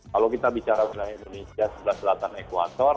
kalau kita bicara wilayah indonesia sebelah selatan ekuator